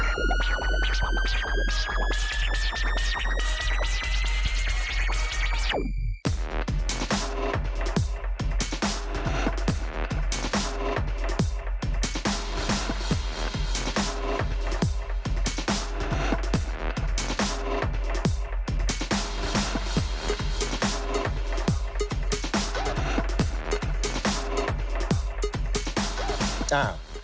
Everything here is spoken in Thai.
โปรดติดตามตอนต่อไป